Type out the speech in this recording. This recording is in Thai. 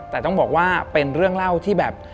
แต่ต้องบอกว่าเป็นเรื่องเล่าที่แบบ